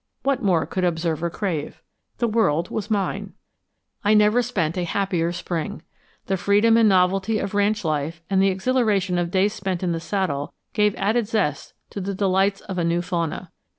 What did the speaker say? What more could observer crave? The world was mine. I never spent a happier spring. The freedom and novelty of ranch life and the exhilaration of days spent in the saddle gave added zest to the delights of a new fauna.